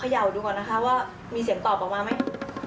ยาวดูก่อนนะคะว่ามีเสียงตอบออกมาไหม